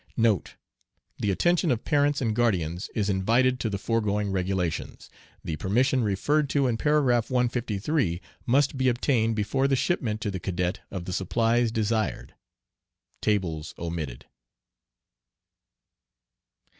Note. The attention of Parents and Guardians is invited to the foregoing Regulations. The permission referred to in paragraph 153 must be obtained before the shipment to the cadet of the supplies desired. [Tables omitted.